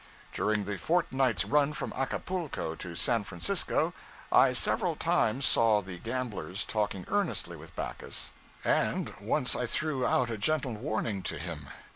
During the fortnight's run from Acapulco to San Francisco I several times saw the gamblers talking earnestly with Backus, and once I threw out a gentle warning to him.